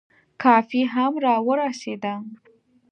کافي هم را ورسېده.